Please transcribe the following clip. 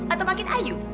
atau makin ayu